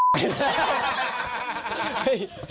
บี้